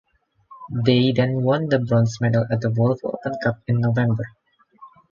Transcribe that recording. They then won the bronze medal at the Volvo Open Cup in November.